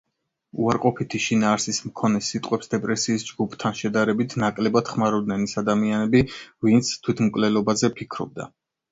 უარყოფითი შინაარსის მქონე სიტყვებს დეპრესიის ჯგუფთან შედარებით, ნაკლებად ხმარობდნენ ის ადამიანები, ვინც თვითმკვლელობაზე ფიქრობდა.